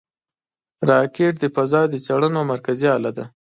راکټ د فضا د څېړنو مرکزي اله ده